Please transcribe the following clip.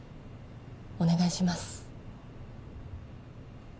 お願いします。